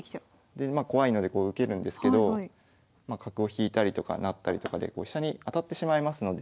でまあ怖いので受けるんですけどまあ角を引いたりとか成ったりとかで飛車に当たってしまいますので。